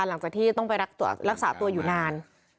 หลังจากที่ต้องไปรักษาตัวอยู่นาน